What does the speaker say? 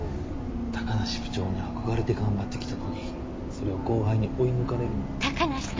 高梨部長に憧れて頑張ってきたのにそれを後輩に追い抜かれるなんて。